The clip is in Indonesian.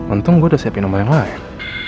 untung gue udah siapin nomor yang lain